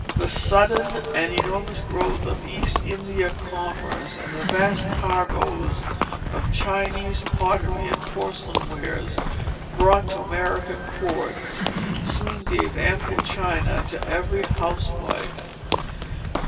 The sudden and enormous growth of East India commerce, and the vast cargoes of Chinese pottery and porcelain wares brought to American ports soon gave ample china to every housewife.